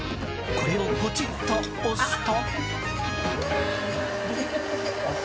これをポチッと押すと。